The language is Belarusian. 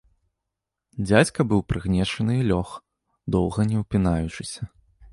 Дзядзька быў прыгнечаны і лёг, доўга не ўпінаючыся.